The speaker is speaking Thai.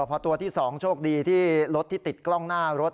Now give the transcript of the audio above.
พอตัวที่๒โชคดีที่รถที่ติดกล้องหน้ารถ